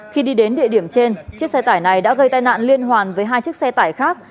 khi đi đến địa điểm trên chiếc xe tải này đã gây tai nạn liên hoàn với hai chiếc xe tải khác